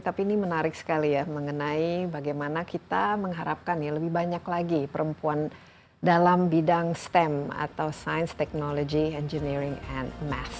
tapi ini menarik sekali ya mengenai bagaimana kita mengharapkan ya lebih banyak lagi perempuan dalam bidang stem atau science technology engineering and mass